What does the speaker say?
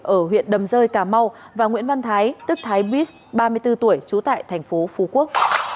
ở huyện đầm rơi cà mau và nguyễn văn thái tức thái bích ba mươi bốn tuổi trú tại tp phú quốc